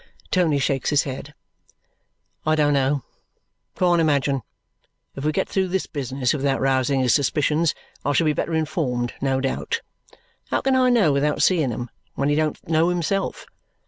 Tony shakes his head. "I don't know. Can't Imagine. If we get through this business without rousing his suspicions, I shall be better informed, no doubt. How can I know without seeing them, when he don't know himself?